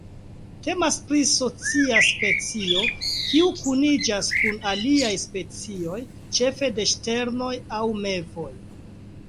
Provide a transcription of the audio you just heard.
Temas pri socia specio kiu kuniĝas kun aliaj specioj ĉefe de ŝternoj aŭ mevoj.